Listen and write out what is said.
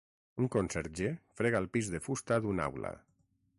Un conserge frega el pis de fusta d'una aula.